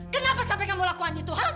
kenapa sampai kamu lakukan itu hal